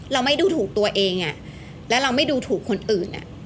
เราไม่ดูถูกตัวเองและเราไม่ดูถูกคนอื่น